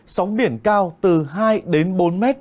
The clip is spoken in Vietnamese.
sóng biển cao từ hai đến bốn mét